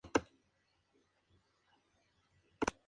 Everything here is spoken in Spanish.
La ciudad cuenta con varias playas especializadas para el surf.